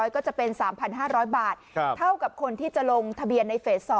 ก็จะเป็น๓๕๐๐บาทเท่ากับคนที่จะลงทะเบียนในเฟส๒